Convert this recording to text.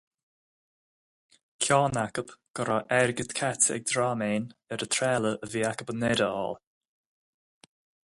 Ceann acu go raibh airgead caite ag dream againn ar an trealamh a bhí acu i nDoire a fháil.